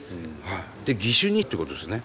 で義手にっていうことですよね。